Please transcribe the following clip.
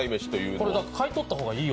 これ、買い取った方がいいよ